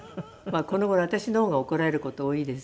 この頃私の方が怒られる事多いです。